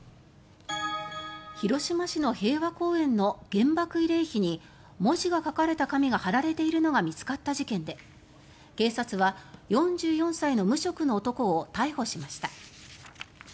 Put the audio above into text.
広島市の平和公園の原爆慰霊碑に文字が書かれた紙が貼られているのが見つかった事件で警察は４４歳の無職の男を逮捕しました。